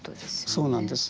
そうなんです。